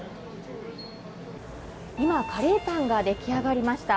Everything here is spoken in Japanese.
今、カレーパンが出来上がりました。